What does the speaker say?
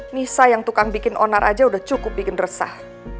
nisa yang tukang bikin onar aja udah cukup bikin resah